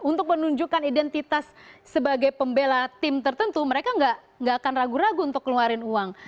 untuk menunjukkan identitas sebagai pembela tim tertentu mereka nggak akan ragu ragu untuk keluarin uang